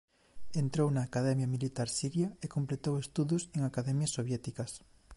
Entrou na Academia Militar Siria e completou estudos en academias soviéticas.